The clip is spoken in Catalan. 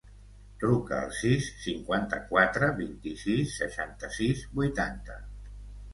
Truca al sis, cinquanta-quatre, vint-i-sis, seixanta-sis, vuitanta.